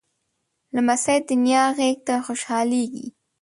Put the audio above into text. لمسی د نیا غېږ ته خوشحالېږي.